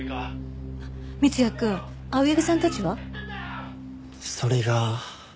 三ツ矢くん青柳さんたちは？それが。